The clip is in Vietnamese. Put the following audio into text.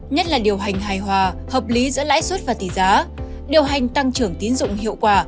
nhất là điều hành hài hòa hợp lý giữa lãi suất và tỷ giá điều hành tăng trưởng tín dụng hiệu quả